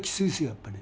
やっぱり。